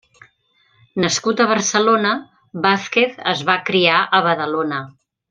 Nascut a Barcelona, Vázquez es va criar a Badalona.